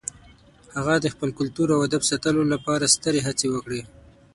هغه د خپل کلتور او ادب ساتلو لپاره سترې هڅې وکړې.